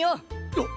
あっ！